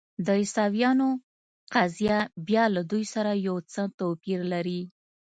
د عیسویانو قضیه بیا له دوی سره یو څه توپیر لري.